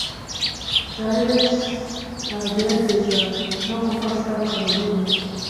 Jivency ntagerageza no gufasha Kalorina.